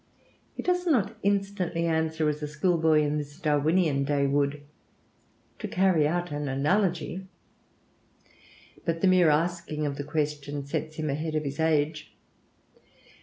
He does not instantly answer, as a schoolboy in this Darwinian day would, "To carry out an analogy;" but the mere asking of the question sets him ahead of his age.